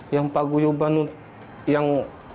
yang pak guyubanu yang